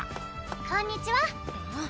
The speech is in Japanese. こんにちは！